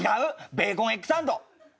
ベーコンエッグサンド。